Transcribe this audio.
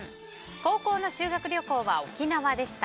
高校の修学旅行は沖縄でした。